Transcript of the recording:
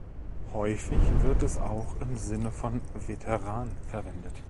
Häufig wird es auch im Sinne von Veteran verwendet.